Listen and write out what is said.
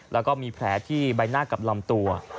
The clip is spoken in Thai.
แล้วก็มีแผลที่ใบหน้ากับลำตัว